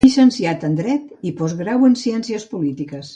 Llicenciat en Dret i postgrau en ciències polítiques.